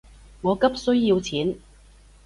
我急需要錢